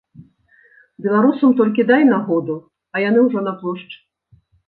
Беларусам толькі дай нагоду, а яны ўжо на плошчы.